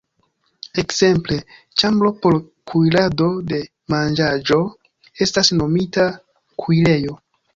Ekzemple, ĉambro por kuirado de manĝaĵo estas nomita kuirejo.